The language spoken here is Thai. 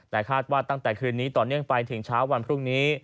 แต่คาดว่าตั้งแต่คืนนี้ต่อเนื่องไปถึงเช้าวันพรุ่งนี้